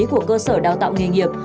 của cơ sở đào tạo nghề nghiệp